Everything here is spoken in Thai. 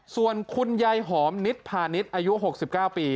ส่วนคุณยายหอมนิฏผ่านนิฏอายุ๖๙ปี